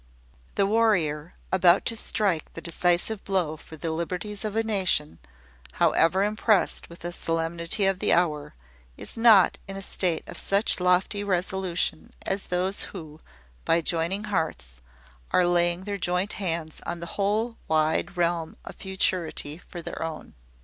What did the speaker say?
The warrior, about to strike the decisive blow for the liberties of a nation, however impressed with the solemnity of the hour, is not in a state of such lofty resolution as those who, by joining hearts, are laying their joint hands on the whole wide realm of futurity for their own.